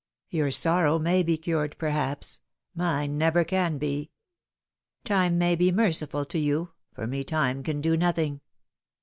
Your sorrow may be cured perhaps mine never can be. Time may be merciful to you for me time can do nothing."